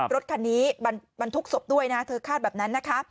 รถคันนี้บรรทุกศพด้วยนะเธอคาดแบบนั้นนะคะ